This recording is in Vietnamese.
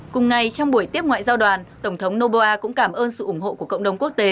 cùng ngày trong buổi tiếp ngoại giao đoàn tổng thống noboa cũng cảm ơn sự ủng hộ của cộng đồng quốc tế